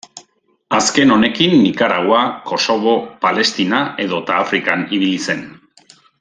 Azken honekin Nikaragua, Kosovo, Palestina edota Afrikan ibili zen.